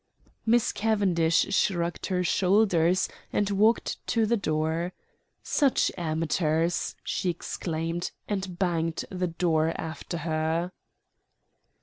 Miss Cavendish shrugged her shoulders and walked to the door. "Such amateurs!" she exclaimed, and banged the door after her.